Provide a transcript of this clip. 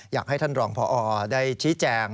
อยากให้ท่านรองพอได้ชี้แจง